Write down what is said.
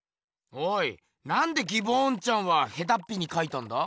おいなんでギボーンちゃんはヘタッピにかいたんだ？